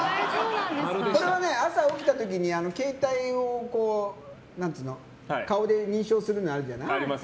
これは朝起きた時に携帯を顔で認証するのがあるじゃない。